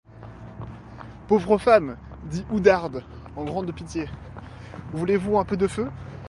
Pauvre femme, dit Oudarde en grande pitié, voulez-vous un peu de feu?